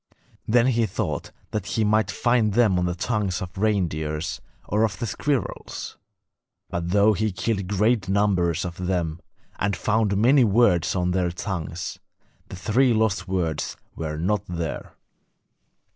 Then he thought that he might find them on the tongues of reindeers or of the squirrels; but though he killed great numbers of them, and found many words on their tongues, the three lost words were not there.